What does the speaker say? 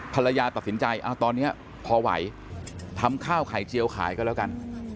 ภรรยาตัดสินใจตอนนี้พอไหวทำข้าวไข่เจียวขายก็แล้วกัน